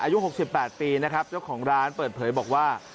อายุ๖๘ปีนะครับเจ้าของร้านเปิดเผยบอกว่า